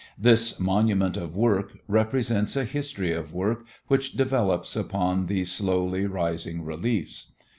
This "Monument of Work" represents a history of work which develops upon these slowly rising reliefs.